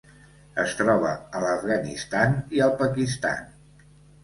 Es troba a l'Afganistan i al Pakistan.